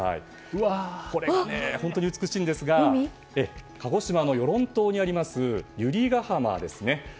これが本当に美しいんですが鹿児島のヨロン島にある百合ヶ浜ですね。